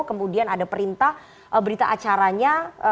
kemudian ada perintah berita acaranya